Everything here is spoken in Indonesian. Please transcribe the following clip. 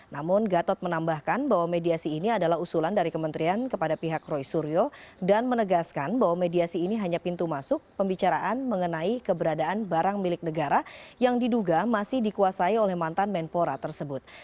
namun gatot menambahkan bahwa mediasi ini adalah usulan dari kementerian kepada pihak roy suryo dan menegaskan bahwa mediasi ini hanya pintu masuk pembicaraan mengenai keberadaan barang milik negara yang diduga masih dikuasai oleh mantan menpora tersebut